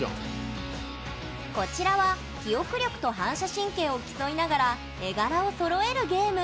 こちらは記憶力と反射神経を競いながら絵柄をそろえるゲーム。